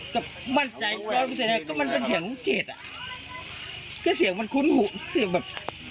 ก็มั่นใจแล้วแสดงก็มันเป็นเสียงเจ็ดอ่ะก็เสียงมันคุ้นหูเสียงแบบ